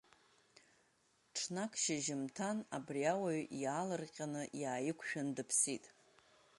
Ҽнак шьыжьымҭан абри ауаҩ иаалырҟьаны иааиқәшәан дыԥсит.